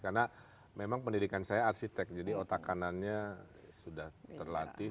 karena memang pendidikan saya arsitek jadi otak kanannya sudah terlatih